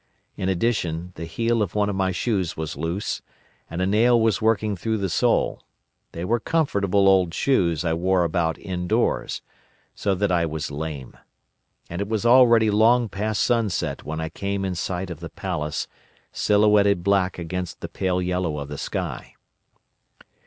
In addition, the heel of one of my shoes was loose, and a nail was working through the sole—they were comfortable old shoes I wore about indoors—so that I was lame. And it was already long past sunset when I came in sight of the palace, silhouetted black against the pale yellow of the sky.